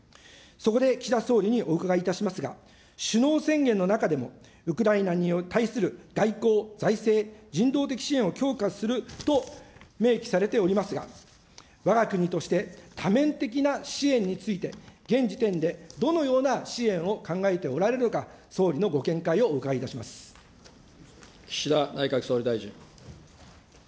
そこで岸田総理にお伺いいたしますが、首脳宣言の中でもウクライナに対する外交、財政、人道的支援を強化すると明記されておりますが、わが国として、多面的な支援について、現時点でどのような支援を考えておられるか総理のご見解をお伺い岸田内閣総理大臣。